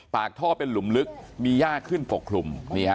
ปากท่อเป็นหลุมลึกมีย่าขึ้นปกคลุม